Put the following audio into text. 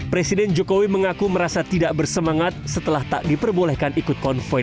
presiden jokowi mengaku merasa tidak bersemangat setelah tak diperbolehkan ikut konvoy